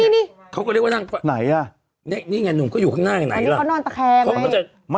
นี่อ่ะเรานานตะแครม